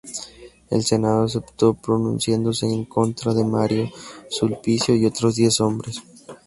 El Senado aceptó, pronunciándose en contra de Mario, Sulpicio y otros diez hombres.